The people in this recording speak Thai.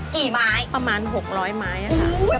กี่ไม้ประมาณ๖๐๐ไม้ค่ะ